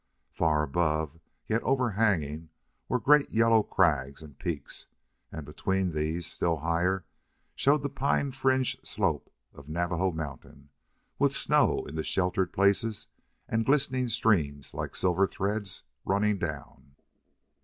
Far above, yet overhanging, were great yellow crags and peaks, and between these, still higher, showed the pine fringed slope of Navajo Mountain with snow in the sheltered places, and glistening streams, like silver threads, running down.